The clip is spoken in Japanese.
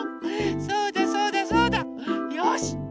そうだそうだそうだ。よし！